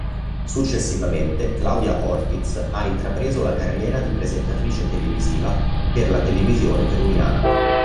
Successivamente Claudia Ortiz ha intrapreso la carriera di presentatrice televisiva per la televisione peruviana.